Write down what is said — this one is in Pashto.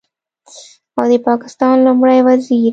او د پاکستان لومړي وزیر